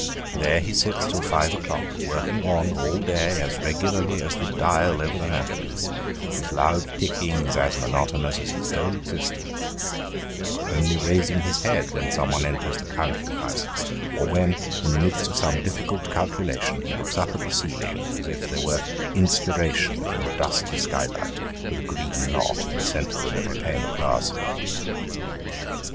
There he sits till five o'clock, working on, all day, as regularly as did the dial over the mantelpiece, whose loud ticking is as monotonous as his whole existence : only raising his head when some one enters the counting house, or when, in the midst of some difficult calculation, he looks up to the ceiling as if there were inspiration in the dusty skylight with a green knot in the centre of every pane of glass.